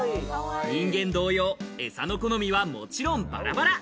人間同様、えさの好みも、もちろんバラバラ。